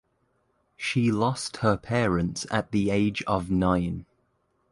She lost her parents at the age of nine.